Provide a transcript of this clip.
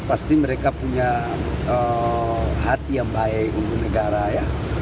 pasti mereka punya hati yang baik untuk negara ya